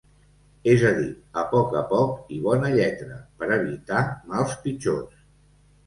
És a dir, a poc a poc i bona lletra, per evitar mals pitjors.